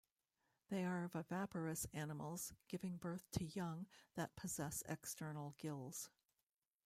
They are viviparous animals, giving birth to young that possess external gills.